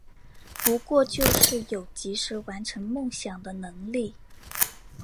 不过就是有及时完成梦想的能力